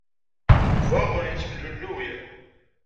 Yuba ur yettemlelluy.